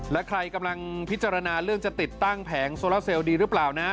และใครกำลังพิจารณาเรื่องจะติดตั้งแผงโซลาเซลดีหรือเปล่านะ